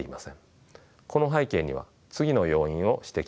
この背景には次の要因を指摘できます。